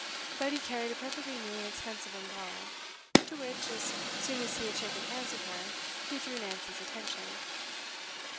But he carried a perfectly new and expensive umbrella, to which, as soon as he had shaken hands with her, he drew Nancy's attention.